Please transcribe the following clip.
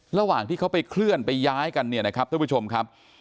ระหว่างที่เขาไปเคลื่อนไปย้ายกันเนี่ยนะครับท่านผู้ชมครับ